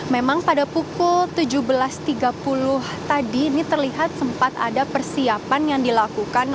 memang pada pukul tujuh belas tiga puluh tadi ini terlihat sempat ada persiapan yang dilakukan